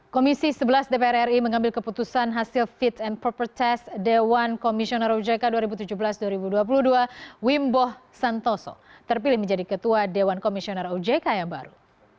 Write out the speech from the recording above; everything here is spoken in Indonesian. komisi sebelas dpr ri mengambil keputusan hasil fit and proper test dewan komisioner ojk dua ribu tujuh belas dua ribu dua puluh dua wimbo santoso terpilih menjadi ketua dewan komisioner ojk yang baru